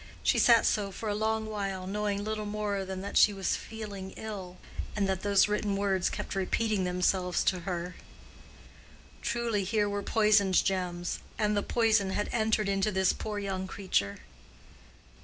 She sat so for a long while, knowing little more than that she was feeling ill, and that those written words kept repeating themselves to her. Truly here were poisoned gems, and the poison had entered into this poor young creature.